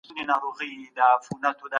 خپل لاسونه د خوراک څخه مخکي ومینځئ.